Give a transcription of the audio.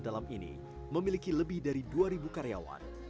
dalam ini memiliki lebih dari dua ribu karyawan